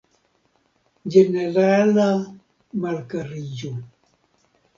Ĝenerala malkariĝo.